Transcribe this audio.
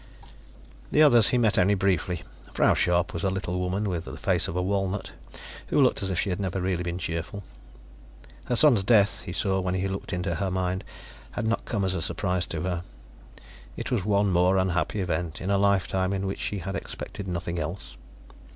The others he met only briefly. Frau Scharpe was a little woman with the face of a walnut, who looked as if she had never really been cheerful. Her son's death, he saw when he looked into her mind, had not come as a surprise to her; it was one more unhappy event, in a lifetime in which she had expected nothing else.